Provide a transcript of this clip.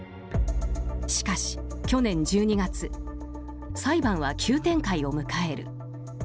しかし去年１２月裁判は急展開を迎える。